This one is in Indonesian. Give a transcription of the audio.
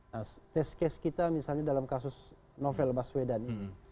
nah test case kita misalnya dalam kasus novel baswedan ini